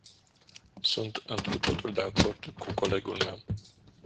Sunt întru totul de acord cu colegul meu.